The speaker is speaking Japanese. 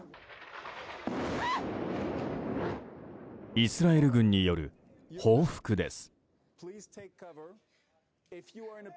イスラエル軍による報復です。